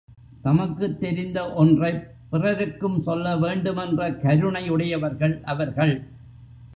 தமக்குத் தெரிந்த ஒன்றைப் பிறருக்கும் சொல்ல வேண்டுமென்ற கருணையுடையவர்கள் அவர்கள்.